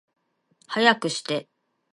早くして